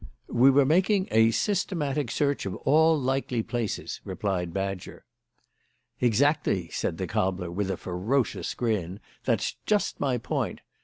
"We were making a systematic search of all likely places," replied Badger. "Exactly," said the cobbler, with a ferocious grin, "that's just my point.